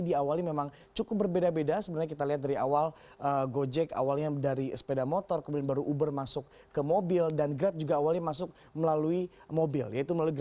diawali memang cukup berbeda beda sebenarnya kita lihat dari awal ini ada grab taksi yang berbeda beda dengan grab taksi yang ada di tanah air